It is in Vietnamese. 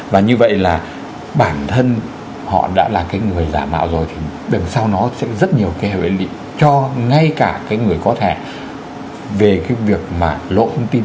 và như vậy là bản thân họ đã là cái người giả mạo rồi thì đằng sau nó sẽ rất nhiều cái hệ lị cho ngay cả cái người có thẻ về cái việc mà lộ thông tin